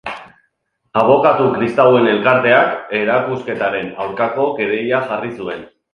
Abokatu Kristauen Elkarteak erakusketaren aurkako kereila jarri zuen.